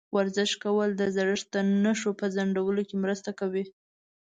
ورزش کول د زړښت د نښو په ځنډولو کې مرسته کوي.